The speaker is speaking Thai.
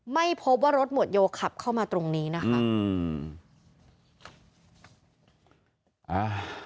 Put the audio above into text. ไม่พบว่ารถหมวดโยขับเข้ามาตรงนี้นะคะอืมอ่า